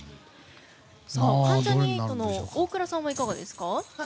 関ジャニ∞の大倉さんはいかがですか？